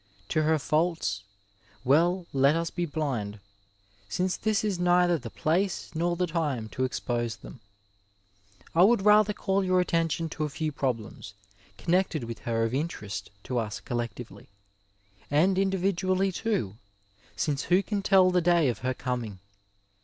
To her faults— well let us be blind* since this is neither the place nor the time to expose them; I would rather call jour attention to a few problenui connected with her of interest to us collectivelj, — and individually, too, since who can tell the day of her coming.